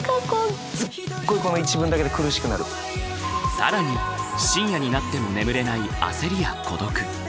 更に深夜になっても眠れない焦りや孤独。